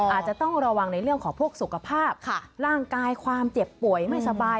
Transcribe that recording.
อาจจะต้องระวังในเรื่องของพวกสุขภาพร่างกายความเจ็บป่วยไม่สบาย